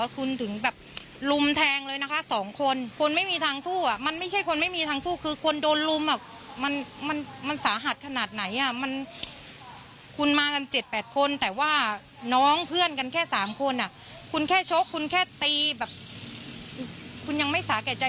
คุณแค่โชคคุณแค่ตีแบบคุณยังไม่สาแก่ใจคุณจะเอาลูกเราถึงตายเลยเหรอ